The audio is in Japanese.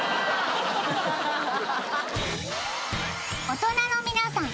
大人の皆さん